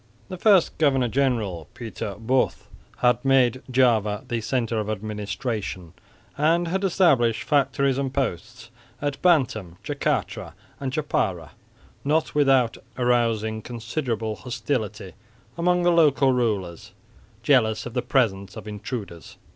The first governor general, Pieter Both, had made Java the centre of administration and had established factories and posts at Bantam, Jacatra and Djapara, not without arousing considerable hostility among the local rulers, jealous of the presence of the intruders.